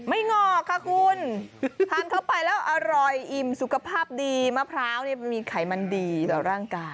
หงอกค่ะคุณทานเข้าไปแล้วอร่อยอิ่มสุขภาพดีมะพร้าวนี่มันมีไขมันดีต่อร่างกาย